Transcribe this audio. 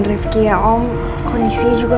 diefky ya om kondisinya juga